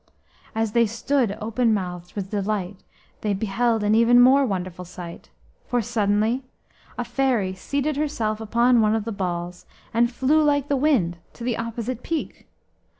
As they stood open mouthed with delight they beheld an even more wonderful sight. For suddenly a fairy seated herself upon one of the balls and flew like the wind to the opposite peak.